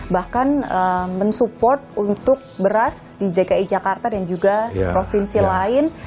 bahkan mensupport untuk beras di dki jakarta dan juga provinsi lain